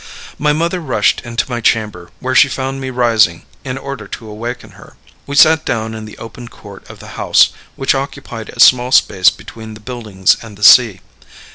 My mother rushed into my chamber, where she found me rising, in order to awaken her. We sat down in the open court of the house, which occupied a small space between the buildings and the sea.